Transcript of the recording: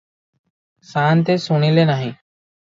ସାଆନ୍ତେ ଶୁଣିଲେ ନାହିଁ ।